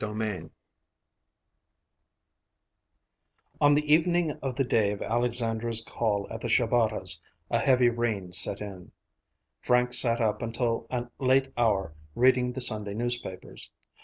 VIII On the evening of the day of Alexandra's call at the Shabatas', a heavy rain set in. Frank sat up until a late hour reading the Sunday newspapers.